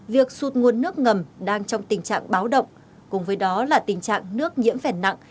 việc sụt nguồn nước ngầm đang trong tình trạng báo động cùng với đó là tình trạng nước nhiễm phèn nặng